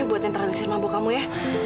buat entar lagi siar mampu kamu ya